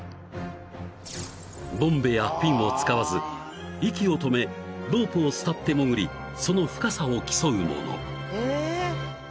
［ボンベやフィンを使わず息を止めロープを伝って潜りその深さを競うもの］